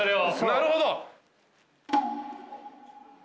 なるほど。